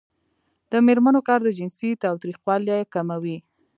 د میرمنو کار د جنسي تاوتریخوالي کموي.